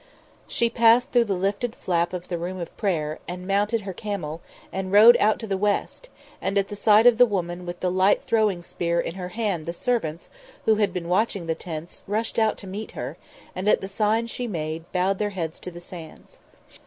She passed through the lifted flap of the Room of Prayer, and mounted her camel, and rode out to the west; and at the sight of the woman with the light throwing spear in her hand the servants, who had been watching the tents, rushed out to meet her and, at the sign she made, bowed their heads to the sands.